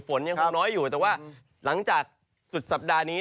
ฝนยังคงน้อยอยู่แต่ว่าหลังจากสุดสัปดาห์นี้